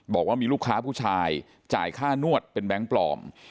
บอกว่ามีลูกค้าผู้ชายจ่ายค่านวดเป็นแบงค์ปลอม